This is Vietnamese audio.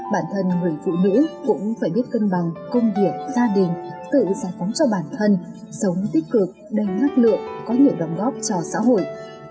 bản thân người phụ nữ cũng phải biết cân bằng công việc gia đình tự giải phóng cho bản thân sống tích cực đầy năng lượng có nhiều đồng góp cho xã hội